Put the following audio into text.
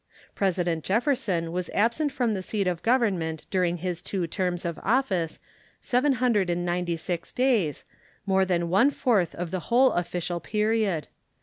President Jefferson was absent from the seat of Government during his two terms of office seven hundred and ninety six days, more than one fourth of the whole official period.